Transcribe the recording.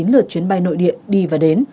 lượt chuyến bay nội địa đi và đến